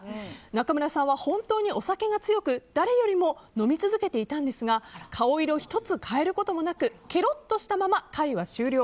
中村さんは本当にお酒が強く誰よりも飲み続けていたんですが顔色一つ変えることもなくケロッとしたまま会は終了。